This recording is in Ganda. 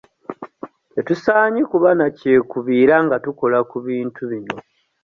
Tetusaanye kuba na kyekubiira nga tukola ku bintu bino.